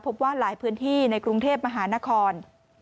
พบว่าหลายพื้นที่ในกรุงเทพมหานคร